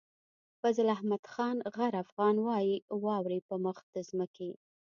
فضل احمد خان غر افغان وايي واورئ په مخ د ځمکې.